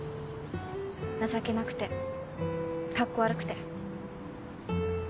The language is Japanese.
情けなくてカッコ悪くて。